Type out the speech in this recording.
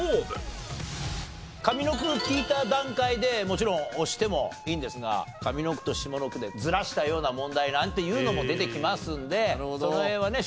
上の句を聞いた段階でもちろん押してもいいんですが上の句と下の句でずらしたような問題なんていうのも出てきますんでその辺はね